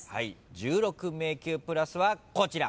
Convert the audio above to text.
１６迷宮プラスはこちら。